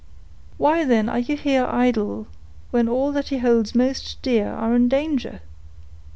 "Why, then, are you here idle when all that he holds most dear are in danger?"